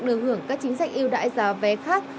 được hưởng các chính sách yêu đãi giá vé khác